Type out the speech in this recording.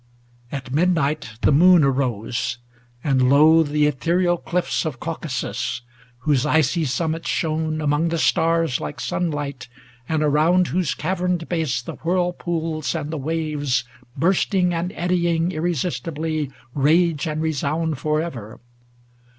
At midnight The moon arose; and lo! the ethereal cliffs Of Caucasus, whose icy summits shone Among the stars like sunlight, and around Whose caverned base the whirlpools and the waves Bursting and eddying irresistibly Rage and resound forever.